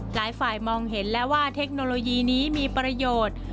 หลายฝ่ายมองเห็นแล้วว่าเทคโนโลยีนี้มีประโยชน์